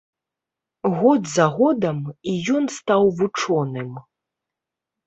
Год за годам, і ён стаў вучоным.